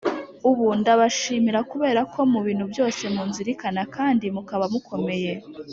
Ubu Ndabashimira Kubera Ko Mu Bintu Byose Munzirikana Kandi Mukaba Mukomeye